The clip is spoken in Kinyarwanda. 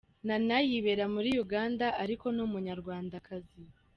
Nana yibera muri Uganda ariko n’umunyarwandakazi.